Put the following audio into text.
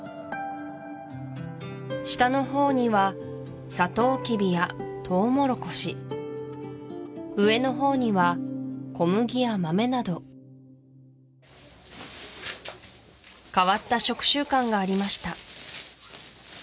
下の方にはサトウキビやトウモロコシ上の方には小麦や豆など変わった食習慣がありました